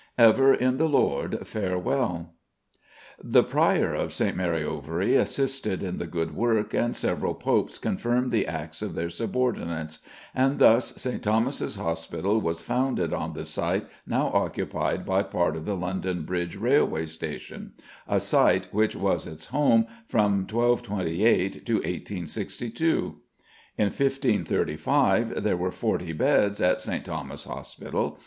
Ever in the Lord. Farewell." The Prior of St. Mary Overy assisted in the good work, and several popes confirmed the acts of their subordinates, and thus St. Thomas's Hospital was founded on the site now occupied by part of the London Bridge Railway Station a site which was its home from 1228 to 1862. In 1535 there were forty beds at St. Thomas's Hospital.